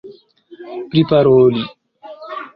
priparoli